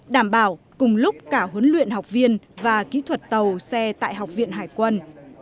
đảm bảo cùng lúc cả huấn luyện học viên và kỹ thuật tàu xe tại học viện hải quân